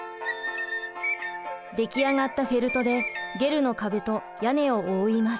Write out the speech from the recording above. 出来上がったフェルトでゲルの壁と屋根を覆います。